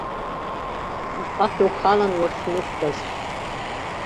Ахаҳә ухалан уахьнықәтәаз.